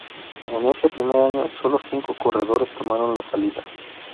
En ese primer año, sólo cinco corredores tomaron la salida.